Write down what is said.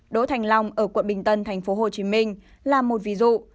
đỗ thành long ở quận bình tân tp hcm là một ví dụ